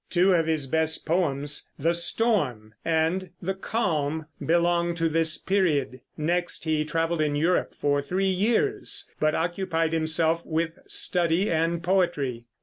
Two of his best poems, "The Storm" and "The Calm," belong to this period. Next he traveled in Europe for three years, but occupied himself with study and poetry.